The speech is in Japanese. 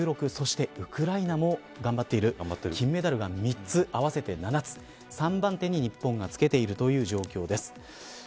そしてウクライナも頑張っている金メダルが３つ、合わせて７つ３番手に日本がつけているという状況です。